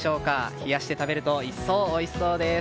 冷やして食べると一層おいしそうです。